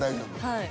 はい。